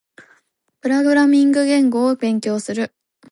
プログラミング言語を勉強する。